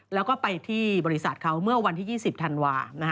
แล้วก็ไปที่บริษัทเขาเมื่อวันที่๒๐ธันวา